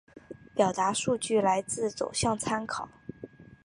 表内数据来自走向参考